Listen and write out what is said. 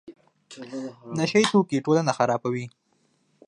نشه یي توکي ټولنه خرابوي.